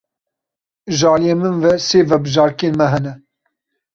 Ji aliyê min ve sê vebijarkên me hene.